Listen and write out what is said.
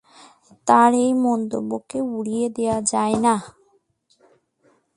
তাঁর এ মন্তব্যকে উড়িয়ে দেয়া যায় না।